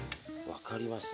分かりました。